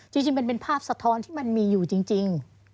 จริงมันเป็นภาพสะท้อนที่มันมีอยู่จริง